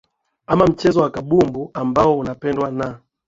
ama mchezo wa kabumbu ambao unapendwa na